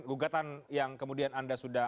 gugatan yang kemudian anda sudah